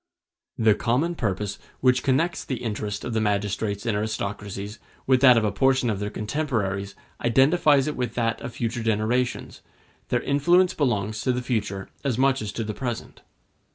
The common purpose which connects the interest of the magistrates in aristocracies with that of a portion of their contemporaries identifies it with that of future generations; their influence belongs to the future as much as to the present.